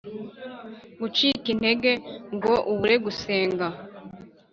gucika intege ngo ubure gusenga